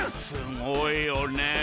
すごいよね。